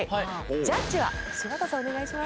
ジャッジは柴田さんお願いします。